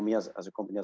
kita selalu bertanya